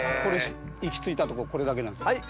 行き着いたとここれだけなんです。